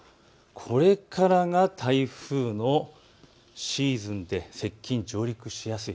これからが台風のシーズンで接近、上陸しやすい。